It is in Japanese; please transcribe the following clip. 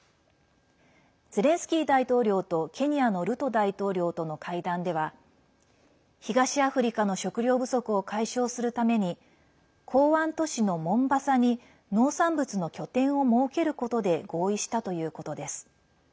ゼレンスキー大統領とケニアのルト大統領との会談では東アフリカの食料不足を解消するために港湾都市のモンバサに農産物の拠点を設けることで合意したということです。